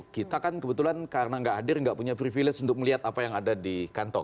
kita kan kebetulan karena nggak hadir nggak punya privilege untuk melihat apa yang ada di kantor